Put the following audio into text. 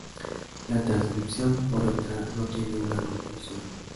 La transcripción, por otra, no tiene una conclusión.